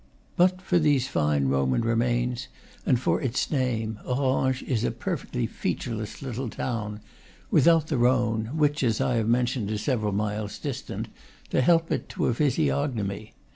But for these fine Roman remains and for its name, Orange is a perfectly featureless little town; without the Rhone which, as I have mentioned, is several miles distant to help it to a physiognomy.